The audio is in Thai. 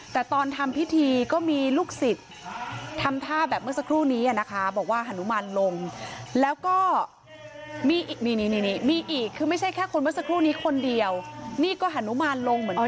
แต่ตอนทำพิธีก็มีลูกศิษย์ทำท่าแบบเมื่อสักครู่นี้นะคะบอกว่าฮานุมานลงแล้วก็มีอีกนี่มีอีกคือไม่ใช่แค่คนเมื่อสักครู่นี้คนเดียวนี่ก็ฮานุมานลงเหมือนกัน